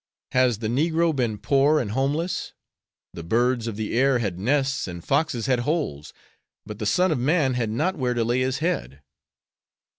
Has the negro been poor and homeless? The birds of the air had nests and the foxes had holes, but the Son of man had not where to lay His head.